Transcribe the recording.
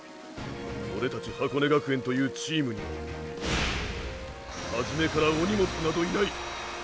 オレたち箱根学園というチームにははじめからお荷物などいない！